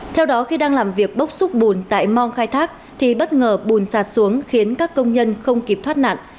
theo đó khi đang làm việc bốc xúc bùn tại mong khai thác thì bất ngờ bùn sạt xuống khiến các công nhân không kịp thoát nạn